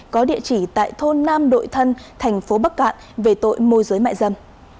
có địa chỉ tại thôn nam đội thân thành phố bắc cạn về tội môi giới mại dâm